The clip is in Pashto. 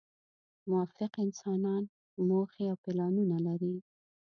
موفق انسانان موخې او پلانونه لري.